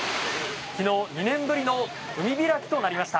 昨日２年ぶりの海開きとなりました。